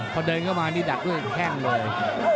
พอเดินเข้ามานี่ดักด้วยแข้งเลย